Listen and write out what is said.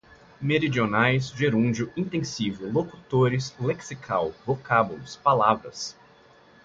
meridionais, gerúndio, intensivo, locutores, lexical, vocábulos, palavras